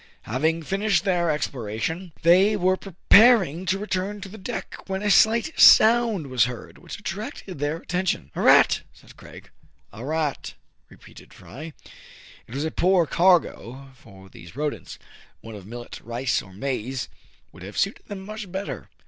Having finished their exploration, they were preparing to return to the deck, when a slight sound was heard, which attracted their attention. "A rat!" said Craig. " A rat !" repeated Fry. It was a poor cargo for these rodents.. One of millet, rice, or maize would have suited them much better.